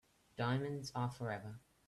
Diamonds are forever.